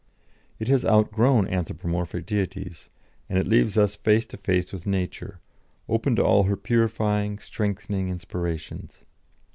It has outgrown anthropomorphic deities, and it leaves us face to face with Nature, open to all her purifying, strengthening inspirations.